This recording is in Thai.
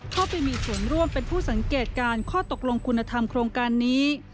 เข้าไปมีส่วนร่วมเป็นผู้สังเกตการข้อตกลงคุณธรรมโครงการนี้